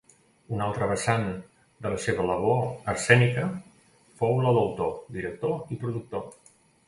Un altre vessant de la seva labor escènica fou la d'autor, director i productor.